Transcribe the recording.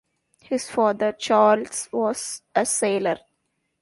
His father, Charles, was a sailor.